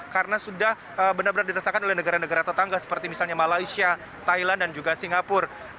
karena sudah benar benar dinasakan oleh negara negara tetangga seperti misalnya malaysia thailand dan juga singapura